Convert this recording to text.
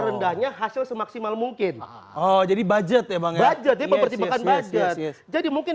rendahnya hasil semaksimal mungkin oh jadi budget ya bang budget ya mempertimbangkan budget jadi mungkin